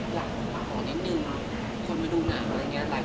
หลังขอนิดนึงคนมาดูหนังอะไรอย่างนี้